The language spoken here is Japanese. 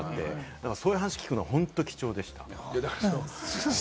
だから、そういう話聞くのはすごい貴重でした。